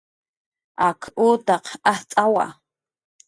Ak utaq ajtz'awa